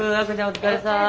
お疲れさん。